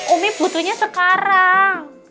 umi butuhnya sekarang